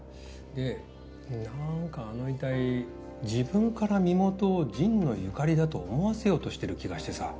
でなんかあの遺体自分から身元を神野由香里だと思わせようとしてる気がしてさ。